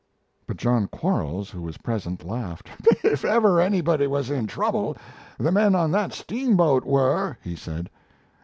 But John Quarles, who was present, laughed: "If ever anybody was in trouble, the men on that steamboat were," he said.